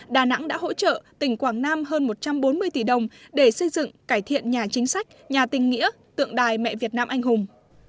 đà nẵng đã hỗ trợ tỉnh quảng nam hơn một trăm bốn mươi tỷ đồng để xây dựng cải thiện nhà chính sách nhà tình nghĩa tượng đài mẹ việt nam anh hùng